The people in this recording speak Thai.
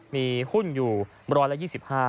มีหุ้นอยู่๑๒๕